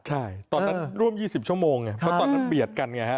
ใช่ตอนนั้นร่วม๒๐ชั่วโมงไงเพราะตอนนั้นเบียดกันไงฮะ